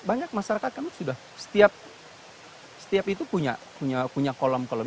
banyak masyarakat kan sudah setiap itu punya kolom kolom